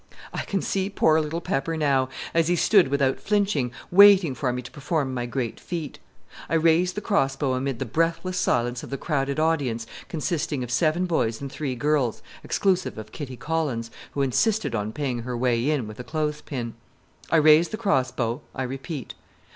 I can see poor little Pepper now, as he stood without flinching, waiting for me to perform my great feat. I raised the crossbow amid the breathless silence of the crowded audience consisting of seven boys and three girls, exclusive of Kitty Collins, who insisted on paying her way in with a clothes pin. I raised the cross bow, I repeat.